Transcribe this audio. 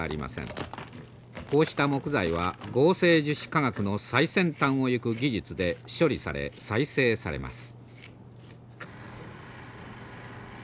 こうした木材は合成樹脂科学の最先端をいく技術で処理され再生されます。